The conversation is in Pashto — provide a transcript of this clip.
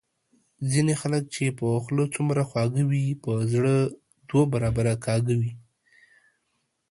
ځینی خلګ چي په خوله څومره خواږه وي په زړه دوه برابره کاږه وي